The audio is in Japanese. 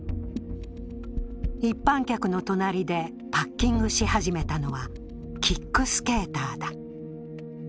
一般客の隣でパッキングし始めたのはキックスケーターだ。